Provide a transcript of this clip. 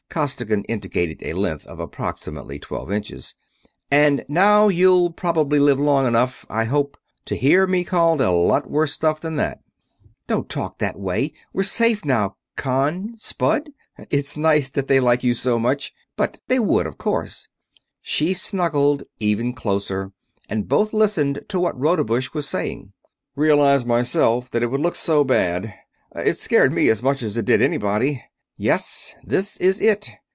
Costigan indicated a length of approximately twelve inches. "And now you'll probably live long enough I hope to hear me called a lot worse stuff than that." "Don't talk that way we're safe now, Con ... Spud? It's nice that they like you so much but they would, of course." She snuggled even closer, and both listened to what Rodebush was saying. "... realize myself that it would look so bad; it scared me as much as it did anybody. Yes, this is IT.